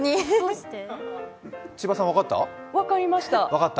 千葉さん分かった？